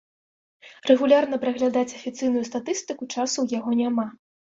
Рэгулярна праглядаць афіцыйную статыстыку часу ў яго няма.